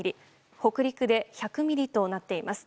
北陸で１００ミリとなっています。